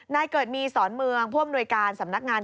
นายเกิดมีสอนเมืองผู้อำนวยการสำนักงาน